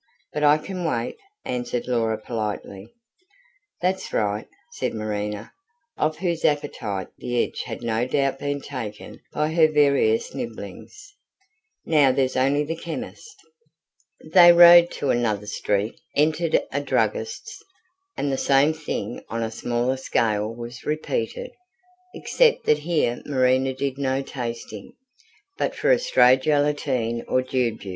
But I can wait," answered Laura politely. "That's right," said Marina, off whose own appetite the edge had no doubt been taken by her various nibblings. "Now there's only the chemist." They rode to another street, entered a druggist's, and the same thing on a smaller scale was repeated, except that here Marina did no tasting, but for a stray gelatine or jujube.